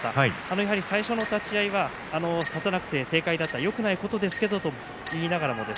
やはり最初の立ち合いは立たなくて正解だったよくないことですということを言っていました。